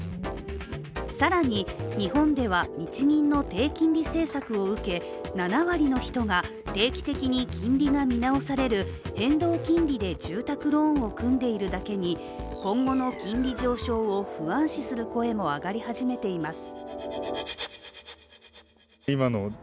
更に、日本では日銀の低金利政策を受け、７割の人が、定期的に金利が見直される変動金利で住宅ローンを組んでいるだけに今後の金利上昇を不安視する声も上がり始めています。